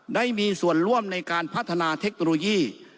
ได้มีส่วนร่วมในการพัฒนาเทคโนโลยี